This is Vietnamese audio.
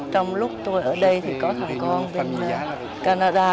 trong lúc tôi ở đây thì có thằng con bên canada